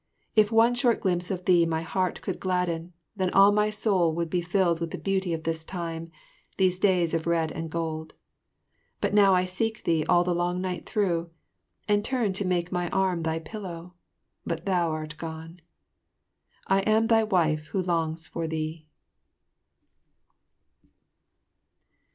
If one short glimpse of thee my heart could gladden, then all my soul would be filled with the beauty of this time, these days of red and gold. But now I seek thee the long night through, and turn to make my arm thy pillow but thou art gone. I am thy wife who longs for thee.